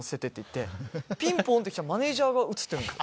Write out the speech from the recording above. ピンポンって来たらマネジャーが写ってるんですよ。